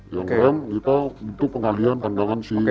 yang rem itu untuk pengalian pandangan si korban